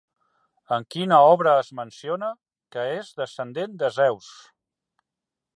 En quina obra es menciona que és descendent de Zeus?